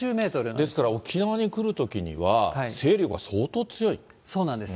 ですから沖縄に来るときには、そうなんです。